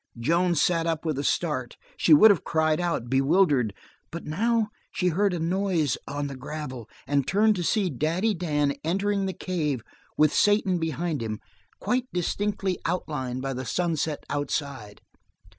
Joan sat up with a start; she would have cried out, bewildered, but now she heard a noise on the gravel, and turned to see Daddy Dan entering the cave with Satan behind him, quite distinctly outlined by the sunset outside.